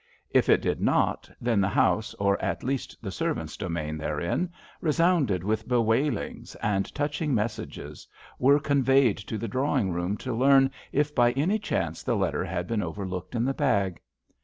If it did not, then the house, or at least the servants' domain therein, re sounded with bewailings, and touching messages were conveyed to the drawing room to learn if by any chance the letter had been overlooked in the bag.